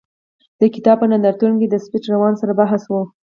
د کتاب په نندارتون کې د سفید روان سره بحث و.